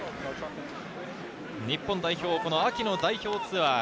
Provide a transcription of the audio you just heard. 日本代表、秋の代表ツアー。